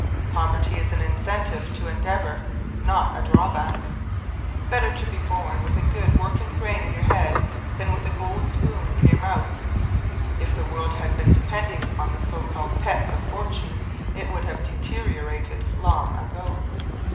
Poverty is an incentive to endeavor, not a drawback. Better to be born with a good, working brain in your head than with a gold spoon in your mouth. If the world had been depending on the so called pets of fortune it would have deteriorated long ago.